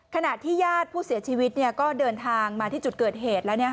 ขณะที่ญาติผู้เสียชีวิตก็เดินทางมาที่จุดเกิดเหตุแล้ว